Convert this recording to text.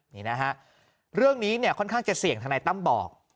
นี่นะฮะเรื่องนี้เนี่ยค่อนข้างจะเสี่ยงทนายตั้มบอก